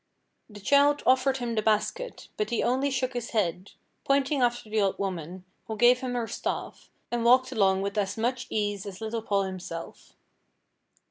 The child offered him the basket, but he only shook his head, pointing after the old woman, who gave him her staff, and walked along with as much ease as little Paul himself.